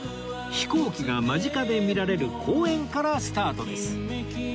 飛行機が間近で見られる公園からスタートです